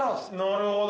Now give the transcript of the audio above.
◆なるほど。